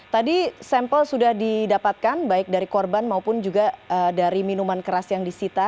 jadi sampel sudah didapatkan baik dari korban maupun juga dari minuman keras yang disita